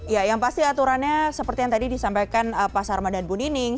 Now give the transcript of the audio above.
ya yang pasti aturannya seperti yang tadi disampaikan pak sarman dan bu nining